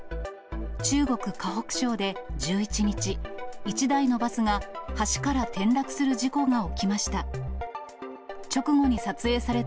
中国・河北省で１１日、１台のバスが橋から転落する事故が起きました。